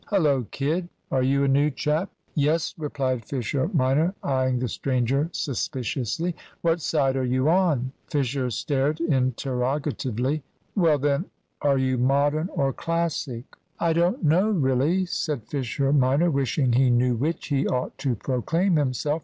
"Hullo, kid, are you a new chap?" "Yes," replied Fisher minor, eyeing the stranger suspiciously. "What side are you on?" Fisher stared interrogatively. "Well, then, are you Modern or Classic?" "I don't know, really," said Fisher minor, wishing he knew which he ought to proclaim himself.